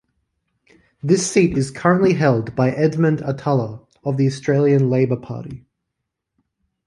This seat is currently held by Edmond Atalla, of the Australian Labor Party.